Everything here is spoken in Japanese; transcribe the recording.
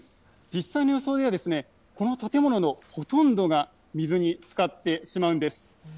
実際の予想ではこの建物のほとんどが水につかってしまうんです。